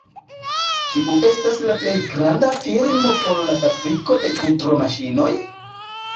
Kiu estas la plej granda firmo por la fabriko de kudromaŝinoj?